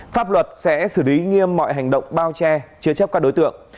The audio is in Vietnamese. pháp luật sẽ xử lý nghiêm mọi hành động bao che chế chấp các đối tượng